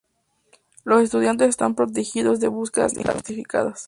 Los estudiantes están protegidos de búsquedas injustificadas.